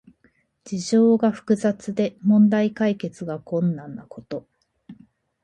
事情が複雑で問題解決が困難なこと。